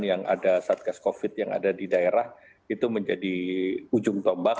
yang ada saat gas covid yang ada di daerah itu menjadi ujung tombak